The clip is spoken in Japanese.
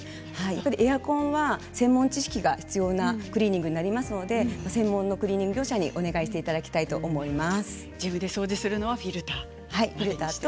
エアコンは専門知識が必要なクリーニングでありますので専門のクリーニング業者にお願いしていただきたいと思います。